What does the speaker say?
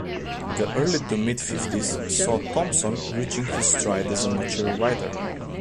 The early to mid fifties saw Thompson reaching his stride as a mature writer.